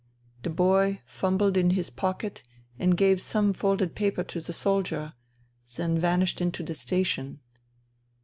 The boy fumbled in his pocket and gave some folded paper to the soldier; then vanished into the station.